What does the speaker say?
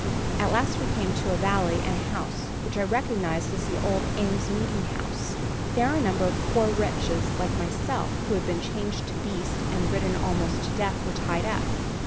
"At last we came to a valley and a house, which I recognized as the old Ames Meeting House. Here a number of poor wretches like myself who had been changed to beasts and ridden almost to death, were tied up.